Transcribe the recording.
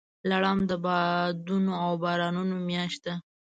لړم د بادونو او بارانونو میاشت ده.